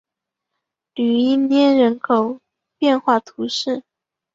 吕伊涅人口变化图示